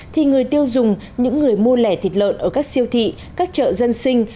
thì người tiêu dùng những người mua lẻ thịt lợn ở các siêu thị các chợ dân sinh